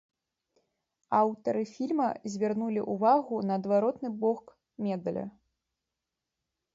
Аўтары фільма звярнулі ўвагу на адваротны бок медаля.